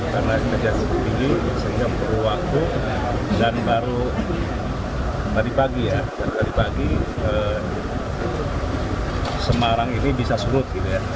karena ini intensitas tinggi sehingga butuh waktu dan baru dari pagi ya dari pagi semarang ini bisa surut